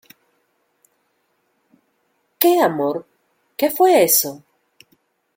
¿ Qué, amor? ¿ qué fue eso ?